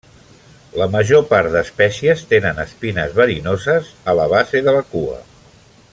La major part d'espècies tenen espines verinoses a la base de la cua.